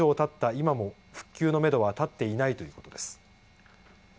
今も復旧のめどは立っていないということです。